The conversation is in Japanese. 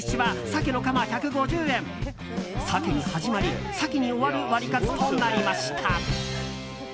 サケに始まり、サケに終わるワリカツとなりました。